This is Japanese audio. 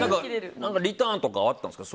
リターンとかあったんですか？